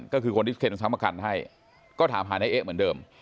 ก็คือคนที่เคนซ้ำประกันให้ก็ถามหานายเอ๊ะเหมือนเดิม